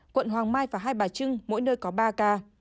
quận hoàng mai và hai bà trưng mỗi nơi có ba ca